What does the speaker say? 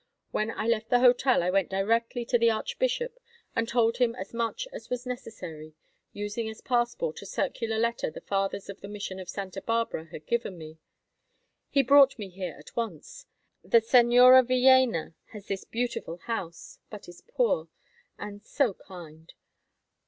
When I left the hotel I went directly to the archbishop and told him as much as was necessary, using as passport a circular letter the fathers of the mission of Santa Barbara had given me. He brought me here at once. The Señora Villéna has this beautiful house, but is poor—and so kind.